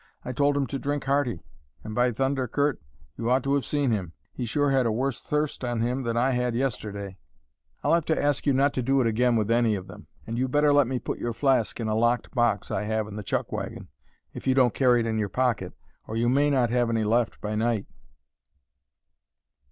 I told him to drink hearty; and by thunder, Curt! you ought to have seen him. He sure had a worse thirst on him than I had yesterday." "I'll have to ask you not to do it again with any of them. And you'd better let me put your flask in a locked box I have in the chuck wagon, if you don't carry it in your pocket, or you may not have any left by night."